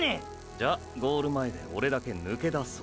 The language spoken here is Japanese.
じゃあゴール前でオレだけ抜け出そう。